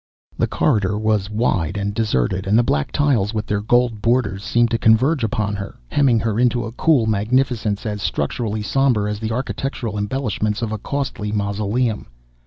The corridor was wide and deserted and the black tiles with their gold borders seemed to converge upon her, hemming her into a cool magnificence as structurally somber as the architectural embellishments of a costly mausoleum.